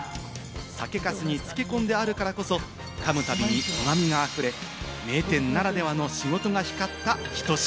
酒粕に漬け込んであるからこそ、かむたびに旨味があふれ、名店ならではの仕事が光ったひと品。